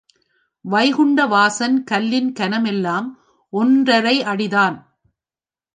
வைகுண்டவாசன் கல்லின் கனம் எல்லாம் ஒன்றரை அடிதான்.